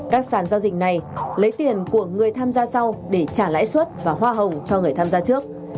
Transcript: các sản giao dịch này lấy tiền của người tham gia sau để trả lãi suất và hoa hồng cho người tham gia trước